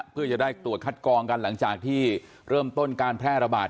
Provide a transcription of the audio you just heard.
เพื่อจะได้ตรวจคัดกองกันหลังจากที่เริ่มต้นการแพร่ระบาด